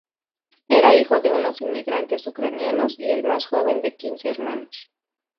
Era hijo de unos inmigrantes ucranianos, y el más joven de quince hermanos.